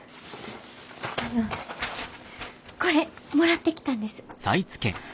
あのこれもらってきたんです。